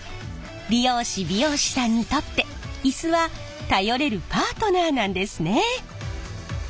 理容師・美容師さんにとってイスは頼れるパートナーなんですね。